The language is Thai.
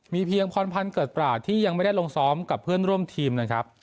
เพียงพรพันธ์เกิดตราดที่ยังไม่ได้ลงซ้อมกับเพื่อนร่วมทีมนะครับ